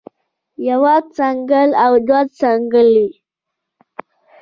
يوه څنګل او دوه څنګلې